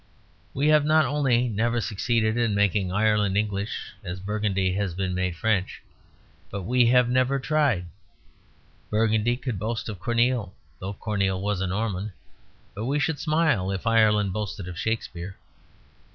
We have not only never succeeded in making Ireland English, as Burgundy has been made French, but we have never tried. Burgundy could boast of Corneille, though Corneille was a Norman, but we should smile if Ireland boasted of Shakespeare.